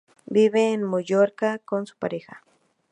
Vive en Mallorca, con su pareja.